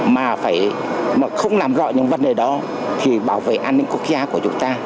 mà phải không làm rõ những vấn đề đó thì bảo vệ an ninh quốc gia của chúng ta